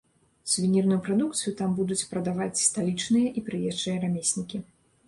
Сувенірную прадукцыю там будуць прадаваць сталічныя і прыезджыя рамеснікі.